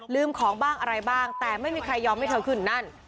ของบ้างอะไรบ้างแต่ไม่มีใครยอมให้เธอขึ้นนั่น